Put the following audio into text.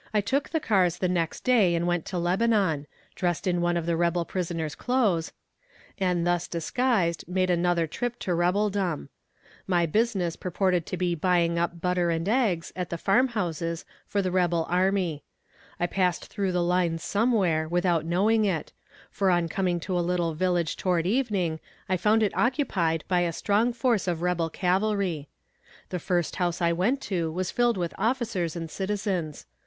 I took the cars the next day and went to Lebanon dressed in one of the rebel prisoner's clothes and thus disguised, made another trip to rebeldom. My business purported to be buying up butter and eggs, at the farm houses, for the rebel army. I passed through the lines somewhere, without knowing it; for on coming to a little village toward evening, I found it occupied by a strong force of rebel cavalry. The first house I went to was filled with officers and citizens.